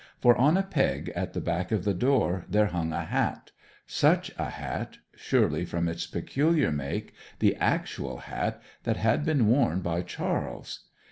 For, on a peg at the back of the door, there hung a hat; such a hat surely, from its peculiar make, the actual hat that had been worn by Charles.